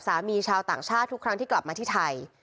ชาวต่างชาติทุกครั้งที่กลับมาที่ไทย